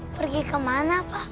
pergi kemana pak